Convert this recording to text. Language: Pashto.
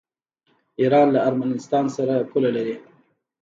ایران له ارمنستان سره پوله لري.